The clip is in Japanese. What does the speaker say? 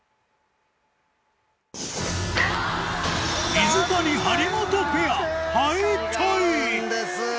水谷・張本ペア敗退！